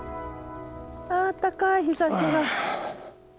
あったかい日ざしが。